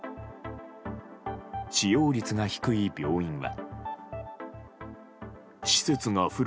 使用率が低い病院は。